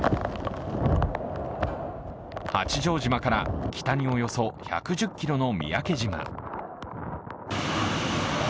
八丈島から北におよそ１１０ｋｍの三宅島。